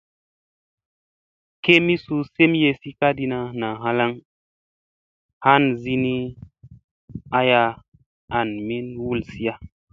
Kemii suu semyesi kadina naa halaŋ hansina aya an min wulsia.